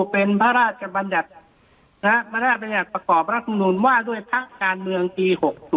เป็นพระราชบัญญัติประสบภาคมนุนว่าด้วยพรรถการเมื่องปี๑๐๒๘